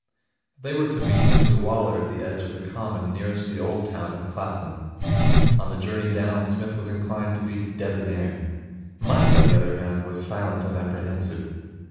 They were to meet Mr Waller at the edge of the Common nearest the old town of Clapham. On the journey down Psmith was inclined to be debonnaire. Mike, on the other hand, was silent and apprehensive.